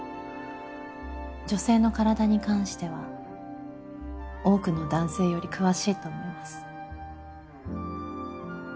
女性の体に関しては多くの男性より詳しいと思います。